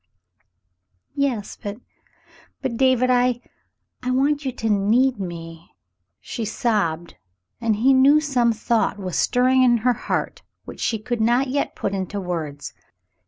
"Yes, but — but — David, I — I want you to need me," she sobbed, and he knew some thought was stirring in her heart which she could not yet put into words.